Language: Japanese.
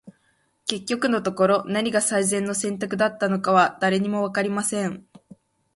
•結局のところ、何が最善の選択だったのかは、誰にも分かりません。